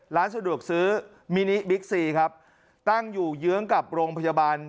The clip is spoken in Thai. ร้านสะดวกซื้อมินิบิ๊กซีครับตั้งอยู่เยื้องกับโรงพยาบาล